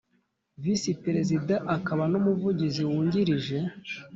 Visi perezida akaba n umuvugizi wungirije